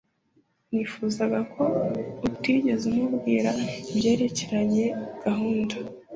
Nifuzaga ko utigeze umubwira ibyerekeye gahunda